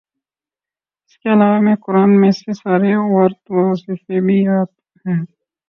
اسکے علاوہ ہمیں قرآن میں سے سارے ورد وظیفے بھی یاد ہیں